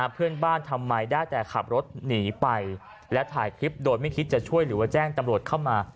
เพื่อนบ้านทำไมได้แต่ขับรถหนีไปและถ่ายคลิปโดยไม่คิดจะช่วยหรือว่าแจ้งตำรวจเข้ามา